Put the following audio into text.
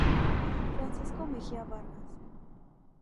Francisco Mejia Vargas.